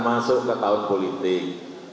masuk ke tahun politik